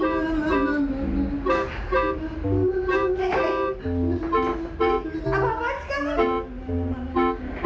hei apa apaan sekarang